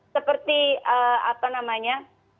seperti apa namanya